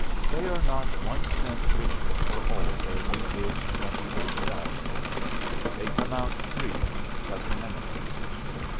"They are not one cent richer for all their looted twenty eight thousand. They come out free, but penniless."